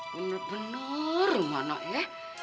bener bener rumana ya